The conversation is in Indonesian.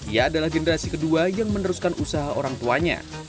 ia adalah generasi kedua yang meneruskan usaha orang tuanya